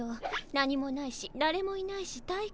何もないしだれもいないし退屈。